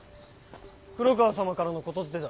黒川様からの言伝だ。